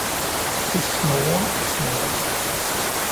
Det snurrer og surrer